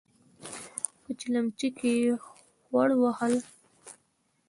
په چلمچي کې يې خوړ وهل.